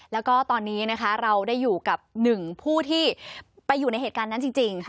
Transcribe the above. แล้วก็ตอนนี้นะคะเราได้อยู่กับหนึ่งผู้ที่ไปอยู่ในเหตุการณ์นั้นจริง